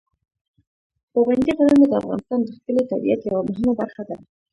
پابندي غرونه د افغانستان د ښکلي طبیعت یوه مهمه برخه ده.